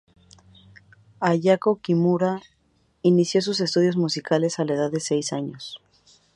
Ayako Kimura inició sus estudios musicales a la edad de seis años.